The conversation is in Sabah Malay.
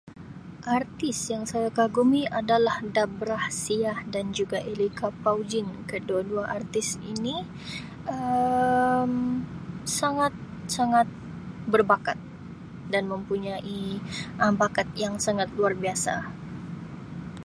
Artis yang saya kagumi adalah Dabra Sia dan juga Elica Paujin kedua-dua artis ini Um sangat-sangat berbakat dan mempunyai Um bakat yang sangat luar biasa.